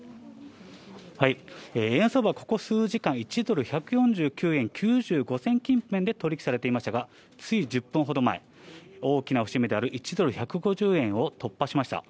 円安相場、ここ数時間、１ドル１４９円９５銭近辺で取り引きされていましたが、つい１０分ほど前、大きな節目である１ドル１５０円を突破しました。